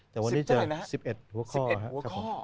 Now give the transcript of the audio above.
แต่วันนี้เจอ๑๑หัวข้อครับผม